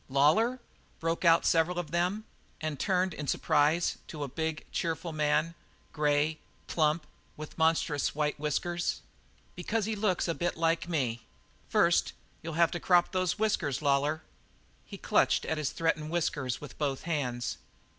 "Lawlor?" broke out several of them, and turned in surprise to a big, cheerful man grey, plump, with monstrous white whiskers. "Because he looks a bit like me. First, you'll have to crop those whiskers, Lawlor." He clutched at the threatened whiskers with both hands.